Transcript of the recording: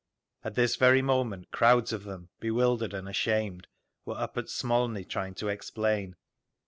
At this very moment crowds of them, bewildered and ashamed, were up at Smolny trying to explain.